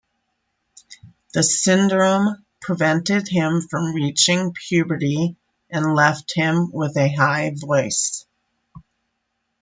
The syndrome prevented him from reaching puberty and left him with a high voice.